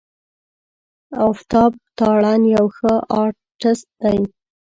آفتاب تارڼ یو ښه آرټسټ دی.